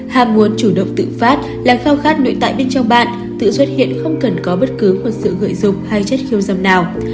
ham muốn chủ động tự phát là khao khát nội tại bên trong bạn tự xuất hiện không cần có bất cứ một sự gợi dục hay chất khiêu dâm nào